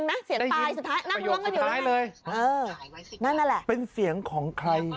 นั่งร้องกันอยู่ทั้งนี้ไหมนั่นแหละเป็นเสียงของใคร